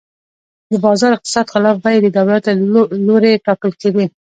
د بازار اقتصاد خلاف بیې د دولت له لوري ټاکل کېدې.